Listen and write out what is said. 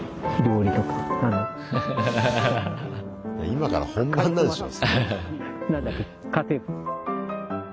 今から本番なんでしょ？